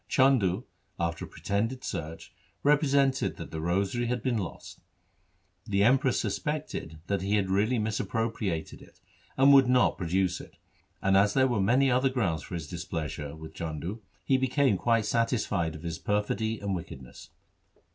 Chandu, after a pretended search, repre sented that the rosary had been lost. The Emperor suspected that he had really misappropriated it and would not produce it, and, as there were many other grounds for his displeasure with Chandu, he became quite satisfied of his perfidy and wickedness.